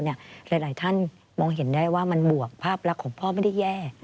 หลายท่านมองเห็นได้ว่ามันบวกภาพลักษณ์ของพ่อไม่ได้แย่